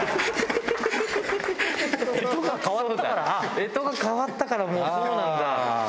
干支が変わったからもうそうなんだ。